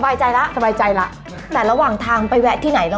อย่าไม่จอมจอนไม่ใจ